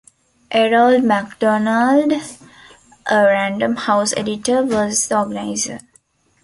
Erroll McDonald, a Random House editor, was the organizer.